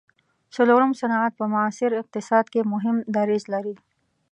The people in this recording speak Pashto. څلورم صنعت په معاصر اقتصاد کې مهم دریځ لري.